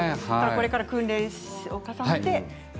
これから訓練を重ねて。